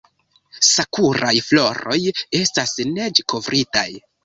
Sakuraj floroj estas neĝkovritaj!